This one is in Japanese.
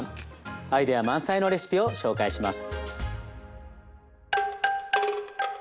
アイデア満載のレシピを紹介します。